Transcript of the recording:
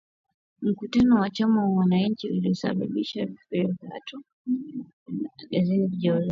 Mkutano wa chama cha wananchi ulisababisha vifo vya watu wawili na dazeni kujeruhiwa